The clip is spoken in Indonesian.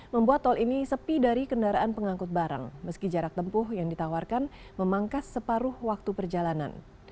membuat tol ini sepi dari kendaraan pengangkut barang meski jarak tempuh yang ditawarkan memangkas separuh waktu perjalanan